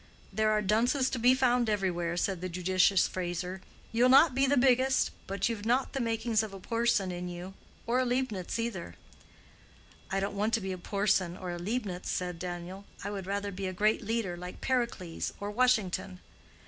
"There are dunces to be found everywhere," said the judicious Fraser. "You'll not be the biggest; but you've not the makings of a Porson in you, or a Leibnitz either." "I don't want to be a Porson or a Leibnitz," said Daniel. "I would rather be a greater leader, like Pericles or Washington."